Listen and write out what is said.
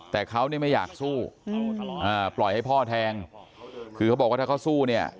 แต่เขาเนี่ยไม่อยากสู้อ่าปล่อยให้พ่อแทงคือเขาบอกว่าถ้าเขาสู้เนี่ย